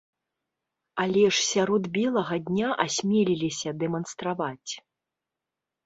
Але ж сярод белага дня асмеліліся дэманстраваць.